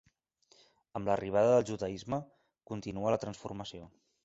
Amb l’arribada del judaisme, continua la transformació.